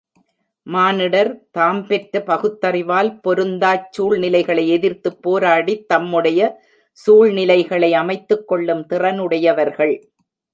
மானிடர் தாம் பெற்ற பகுத்தறிவால் பொருந்தாச் சூழ்நிலைகளை எதிர்த்துப் போராடித் தம்முடைய சூழ்நிலைகளை அமைத்துக் கொள்ளும் திறனுடையவர்கள்.